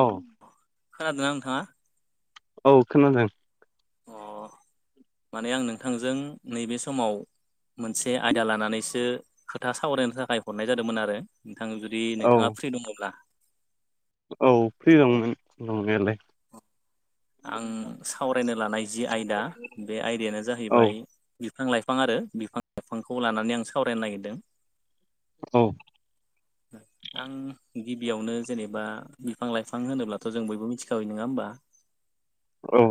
अ खोनादोंना नोंथाङा औ खोनादों अ [inaudible] माने आं नोंथांजों नैबे समाव मोनसे आयदा लानानैसो खोथा सावरायनो थाखाय हरनाय जादोंमोन आरो नोंथां जुदि औ नोंथाङा फ्रि दङब्ला औ फ्रि दंमोन दंनायालाय आं सावरायनो लानाय जि आयदा बे आयदायानो औ जाहैबाय बिफां लाइफां आरो बिफां लाइफांखौ लानानै आं सावरायनो नागिरदों औ [inaudible] आं गिबियावनो जेनेबा बिफां लाइफां होनोब्लाथ' जों बयबो मिथिखाबाय नङा होमबा औ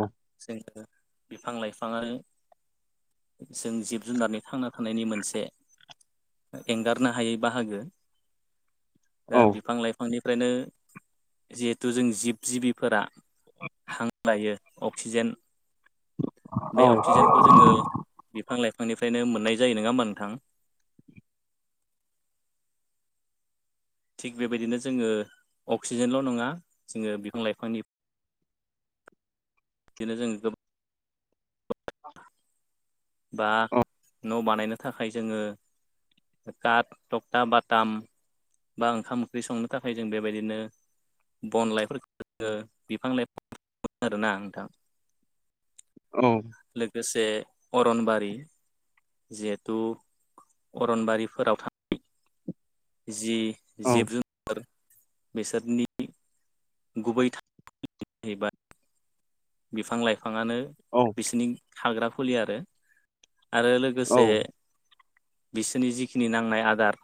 जोङो बिफां लाइफां आरो जों जिब जुनारनि थांना थानायनि मोनसे एंगारनो हायै बाहागो दा औ बिफां लाइफांनिफ्रायनो जिहेथु जों जिब जिबिफोरा हां लायो अक्सिजेन बे औ अक्सिजेनखौ जोङो बिफां लाइफांनिफ्रायनो मोननाय जायो नङा होमबा नोंथां थिग बेबायदिनो जोङो अक्सिजेनल' नङा जोङो बिफां लाइफांनि बिदिनो जों गो बा न' बानायनो थाखाय जोङो काट टक्टा बाटाम बा ओंखाम ओंख्रि संनो थाखाय जों बेबायदिनो बन लाइफोरखौ बिफां लाइफांफोरखौ मोनो आरोना नोंथां औ लोगोसे अरनबारि जिहेथु अरनबारिफोराव था जि औ जिब जुनार बिसोरनि गुबै [unintelligible] बिफां लाइफाङानो बिसिनि थाग्रा खुलि आरो आरो औ लोगोसे बिसोरनि जिखिनि नांनाय आदार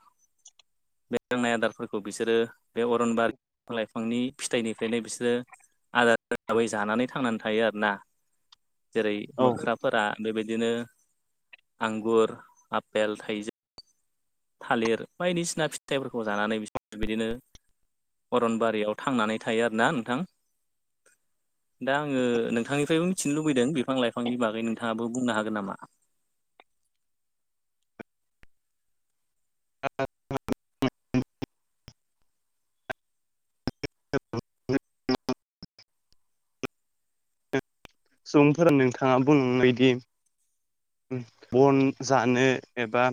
बे नांनाय आदारफोरखौ बिसोरो बे अरनबारि बिफां लाइफांनि फिथाइनिफ्रायनो बिसोरो आदारै हिसाबै जानानै थांनानै थायो आरोना जेरै औ मोख्राफोरा बेबायदिनो आंगुर आफेल थाइजौ थालिर बायदिसिना फिथाइफोरखौ जानानै बिसोरो बिदिनो अरनबारियाव थांनानै थायो आरो ना नोंथां दा आङो नोंथांनिफ्रायबो मिथिनो लुबैदों बिफां लाइफांनि बागै नोंथाङाबो बुंनो हागोन नामा? [unintelligible] [unintelligible] सुबुंफोरा नोंथाङा बुंनायबायदि बन जानो एबा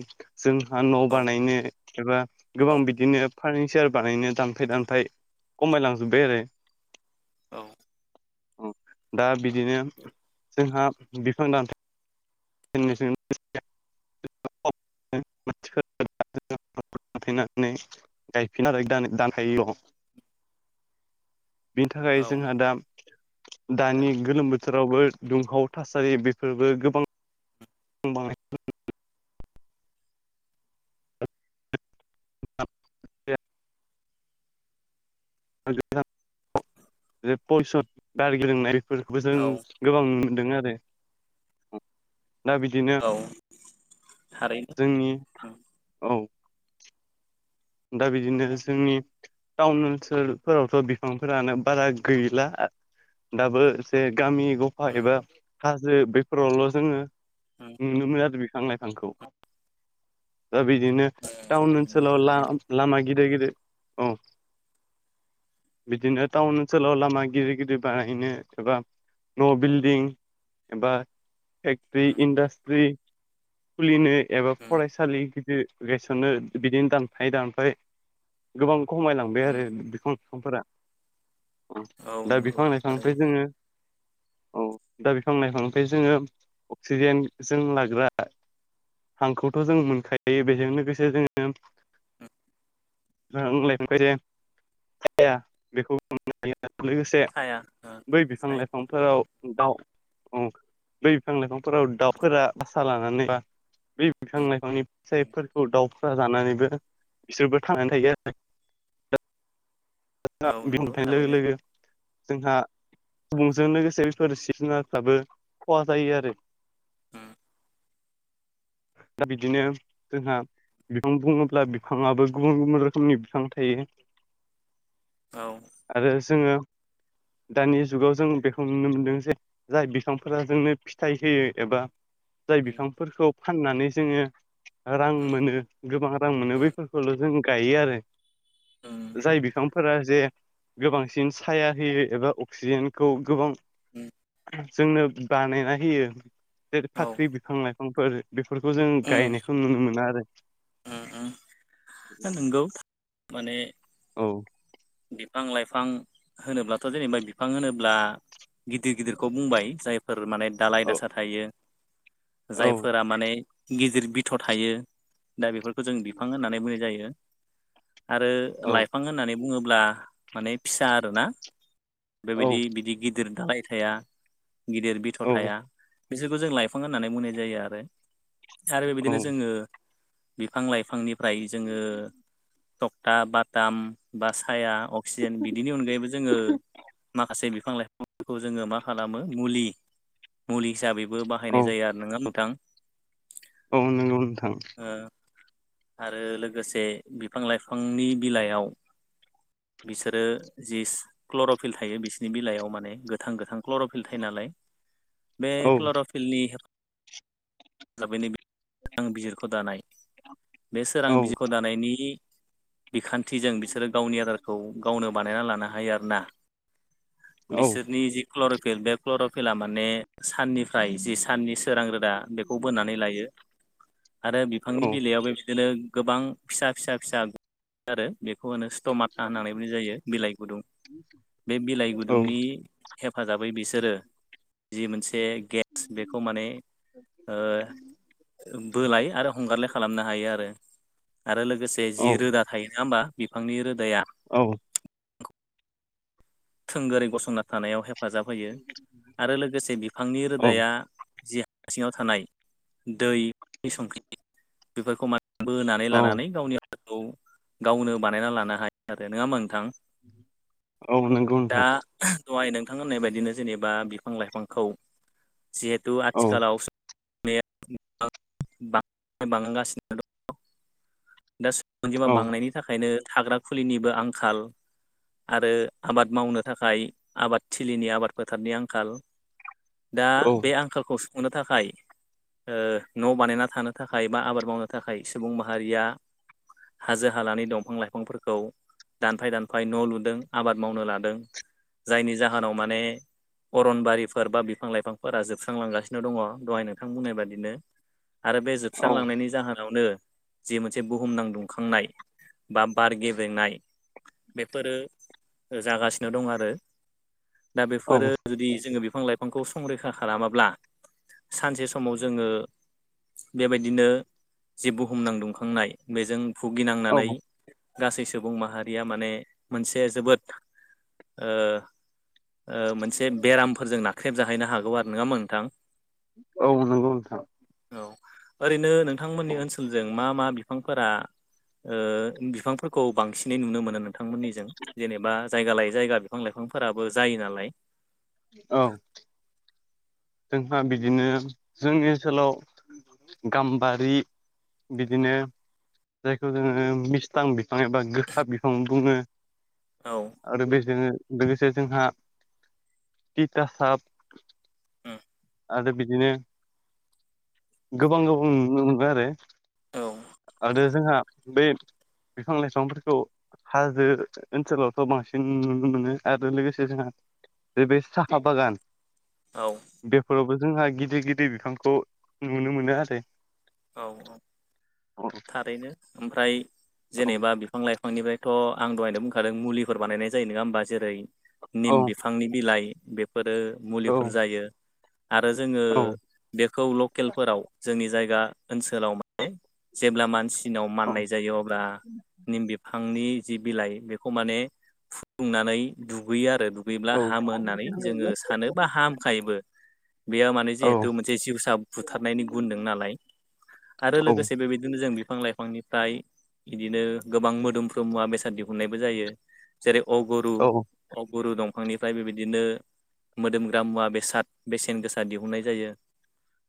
जोंहा न' बानायनो एबा गोबां बिदिनो फार्निचार बानायनो दानफाय दानफाय खमायलांजोबबाय आरो औ ओ दा बिदिनो जोंहा बिफां दानफा नो‌ जों [unintelligible] दानफायनानै गायफिना आरो दानफायोल' बिनि थाखाय जोंहा दा दानि गोलोम बोथोरावबो दुंहाव थासारि बेफोरबो गोबां [unintelligible] [unintelligible] औ नोंथां फलिवसन बार गेब्रेंनायखौबो जों औ गोबां मोनदों आरो दा बिदि बिदिनो औ औ थारैनो जोंनि नंगौ औ दा बिदिनो जोंनि टाउन ओनसोलफोरावथ' बिफांफोरानो बारा गैला दाबो जे गामि गफा एबा हाजो बेफोरावल' जोङो नुनो मोनो आरो बिफां लाइफांखौ दा बिदिनो टाउन ओनसोलाव थारैनो लामा गिदिर गिदिर औ बिदिनो टाउन ओनसोलाव लामा गिदिर गिदिर बानायायनो एबा न' बिल्डिं एबा फेक्ट्रि इन्डास्ट्रि खुलिनो एबा फरायसालि गिदिर गायसननो बिदिनो दानफायै दानफाय गोबां खमायलांबाय आरो बिखौ बिफांफोरा औ दा नंगौ बिफां नायफांनिफ्राय थारैनो जोङो औ दा बिफां लाइफां ओमफ्राय जोङो अक्सिजेनजों लाग्रा हांखौथ' जों मोनखायो बेजों लोगोसे जोङो बुंलायफखाय दे हाया बेखौ [unintelligible] लोगोसे साया बै बिफां साया लाइफां फोराव दाउ दै बिफां लाइफांफोराव दाउफोरा भासा लानानै बा बे बिफां लाइफांनि फिथाइफोरखौ दाउफोरा जानानैबो बिसोरबो थांनानै थायो आरो औ नंगौ बिहुनथायाइ लोगो थारैनो लोगो जोंहा सुबुंजों लोगोसे बेफोर जिब जुनारफ्राबो खहा जायो आरो उम दा बिदिनो जोंहा बिफां बुङोब्ला बिफाङाबो गुबुन गुबुन रोखोमनि बिफां थायो औ आरो जोङो दानि जुगाव जों बेखौ नुनो मोनदों जे जाय बिफांफोरा जोंनो फिथाइ होयो एबा जाय बिफांफोरखौ फाननानै जोङो रां मोनो गोबां रां मोनो बैफोरखौल' जों गायो आरो जाय बिफां फोरा जे गोबांसिन साया होयो एबा अक्सिजेनखौ गोबां उम जोंनो बानायना होयो जेरै फाख्रि बिफां लाइफांफोर बेफोरखौ जों गायनायखौ जों नुनो मोना आरो उम उम नंगौ माने औ बिफां लाइफां होनोब्लाथ जेनेबा बिफां होनोब्ला गिदिर गिदिरखौ बुंबाय जायफोर माने दालाय औ दासा थायो औ जायफोरा माने गिदिर बिथ थायो दा बेफोरखौ जों बिफां होननानै बुंनाय जायो आरो औ लाइफां होननानै बुङो ब्ला माने फिसा आरोना औ बेबायदि बिदि गिदिर दालाय थाया गिदिर बिथ औ थाया बिसोरखौ जों लाइफां होननानै बुंनाय जायो आरो आरो औ बेबायदिनो जोङो बिफां लाइफांनिफ्राय जोङो थक्था बाथाम बा साया अक्सिजेन बिदिनि अनगायैबो जोङो माखासे बिफां लाइफांफोरखौ जोङो मा खालामो मुलि मुलि हिसाबै बो औ बायनाय जाया आरो ना नोंथां औ नोंगौ नोंथां आरो लोगोसे बिफां लाइफांनि बिलाइयाव बिसोरो जिस क्लरफिल थायो बिसोरनि बिलाइयाव माने गोथां गोथां क्लरफिल थायो नालाय बे औ क्लरफिल फिलनि हेफाजाबैनो आं बिजिरखौ दानाय बे सोरां औ बिजिरख दानायनि बिखान्थिजों बिसोरो खौ गावनो बानायना लानो हायो आरोना औ बिसोनि जि क्लफिल बे क्लर'फिला माने साननिफ्राय जि साननि सोरां रोदा बेखौ बोननानै लायो। आरो बिफांनि औ बिलाइयाबो बिदिनो गोबां फिसा फिसा फिसा आरो बेखौ होनो टमा होननानै बुंनाय जायो बिलाइ गुदुं बे बिलाइ औ गुदुंनि हेफाजाबै बिसोरो जि मोनसे गेस बेखौ माने ओ बोलाय आरो हंगारलाय खालामनो हायो आरो। आरो लोगोसे जि रोदा थायो नङा होमबा बिफांनि रोदाया औ थोंगोरै गसंना थानायाव हेफाजाब होयो आरो लोगोसे बिफांनि रोदाया जि सिङाव थानाय दैनि संख्रि बेफोरखौ मान बोनानै औ लानानै गावनि हांखौ गावनो बानायना लानो हायो नङा नोंथां। औ नोंगौ दा दहाय नोंथां होननाय बायदिनो जेनेबा बिफां लाइफांखौ जिहेतु औ आथिखालाव [unintelligible] अनजिमा औ बांनायनि थाखायनो थाग्रा खुलिनिबो आंखाल आरो आबाद मावनो थाखाय आबाद थिलिनि आबाद फोथारनि आंखाल दा औ बे आंखालखौ सुफुंनो थाखाय न' बानायना थानो थाखाय बा आबाद मावनो थाखाय सुबुं माहारिया हाजो हालानि दंफां लाइफांफोरखौ दानफाय दानफाय न' लुदों आबाद मावनो लादों जायनि जाहोनाव माने अरनबारिफोर बा बिफां लाइफांफोरा जोबस्रांलांगासिनो दङ दहाय नोंथां बुंनाय बादिनो। आरो बे जोबस्रांलांनायनि जाहोनावनो जि मोनसे बुहुमनां दुंखांनाय बा बार गेब्रेंनाय बेफोरो जागासिनो दं आरो दा बेफोरो औ जुदि जोङो बिफां लाइ फांखौ संरैखा खालामाब्ला सानसे समाव जोङो बेबायदिनो जि बुहुम नांदुंखांनाय बेजों भुगिनांनानै गासै सुबुं माहारिया माने मोनसे जोबोद ओ ओ मोनसे बेरामफोरजों नाख्रेबजाहैनो हागौ आरो नङा होनबा नोंथां। औ नंगौ नोंथां। औ ओरैनो नोंथांमोननि ओनसोलजों मा मा बिफांफोरा ओ बिफांफोरखौ बांसिनै नुनो मोनोमोन। बिथांमोननिजों जेनेबा जायगा लायै जायगा बिफां लाइफांफोराबो जायो नालाय। औ जोंहा बिदिनो जोंनि ओनसोलाव गाम्बारि बिदिनो जायखौ जोङो मि थां बिफां एबा गोखा बिफां बुङो। औ आरो बेजों लोगोसे जोंहा तिथासाब उम आरो बिदिनो गोबां गोबां नुनो मोनबाय आरो औ आरो जोंहा बे बिफां लाइफांफोरखौ हाजो ओनसोलावथ' बांसिन नुनो मोनो आरो लोगोसे जोंहा बे साहा बागान औ बेफोरावबो जोंहा गिदिर गिदिर बिफांखौ नुनो मोनो आरो औ औ औ थारैनो ओमफ्राय जेनेबा बे बिफां लाइफांनिफ्रायथ' आं दहायनो बुंखादों मुलिफोर बानायनाय जायो नङा होमबा जेरै औ निम बिफांनि बिलाइ बेफोरो औ मुलिफोर जायो आरो जोङो औ बेखौ लकेलफोराव जोंनि जायगा ओनसोलाव माने जेब्ला मानसिनाव औ माननाय जायो अब्ला निम बिफांनि जि बिलाइ बेखौ माने फुदुंनानै दुगैयो आरो दुगैब्ला औ हामो होननानै जोङो सानो बा हामखायोबो बेयो माने जिहेथु मोनसे जिउसा बुथारनायनि गुनदों नालाय आरो लोगोसे बेबायदिनो जों बिफां लाइफांनि फ्राय बिदिनो गोबां मोदोमफ्रु मुवा बेसाद दिहुननायबो जायो जेरै अगुरु औ अगुरु दंफांनिफ्राय बेबायदिनो मोदोमग्रा मुवा बेसाद बेसेन गोसा दिहुननाय जायो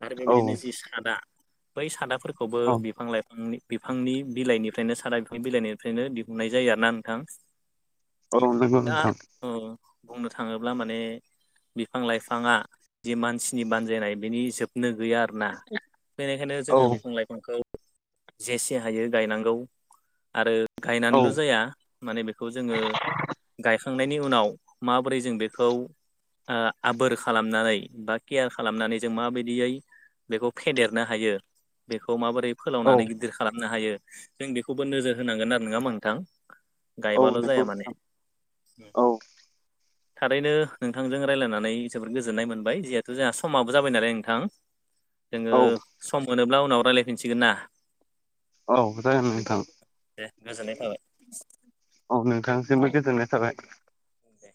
आरो औ बेबायदिनो जि सादा बै सादाफोरखौबो औ बिफां लाइफांनि बिफांनि बिलाइनिफ्रायनो सारा बिफांनि बिलाइनिफ्रायनो दिहुननाय जायो आरोना नोंथां औ नोंगौ दा नोंथां औ बुंनो थाङोब्ला माने बिफां लाइफाङा जि मानसिनि बानजायनाय बिनि जोबनो गैया ना बेनिखायनो औ जोङो बिफां लाइफांखौ जेसे हायो गायनांगौ आरो औ गायनानैल' जाया माने बेखौ जोङो गायखां खांनायनि उनाव माबोरै जों बेखौ आबोर खालामनानै बा केयार खालामनानै जों माबायदियै बेखौ फेदेरनो हायो बेखौ माबोरै औ फोलावनानै गिदिर खालामनो हायो जों बेखौबो नोजोर होनांगोन आरो नङा होमबा नोंथां औ गायबाल' नंगौ जाया माने नोंथां औ थारैनो नोंथांजों रायज्लायनानै जोबोर गोजोननाय मोनबाय जिहेथु जोंहा समाबो जाबाय नालाय नोंथां [inaudible] जोङो सम मोनोब्ला उनाव रायज्लायफिनसिगोन ना औ जागोन नोंथां दे गोजोननाय औ नोंथांनिसिमबो गोजोननाय थाबाय दे